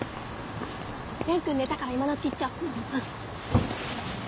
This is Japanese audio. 蓮くん寝たから今のうち行っちゃおう。